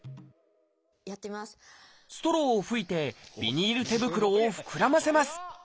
ストローを吹いてビニール手袋を膨らませます。